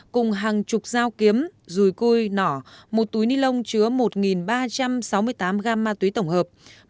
cùng hàng chục dao kiếm rùi cui nỏ một túi ni lông chứa một ba trăm sáu mươi tám gam ma túy tổng hợp